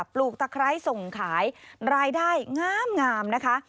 ลูกตะไคร้ส่งขายรายได้งามนะคะ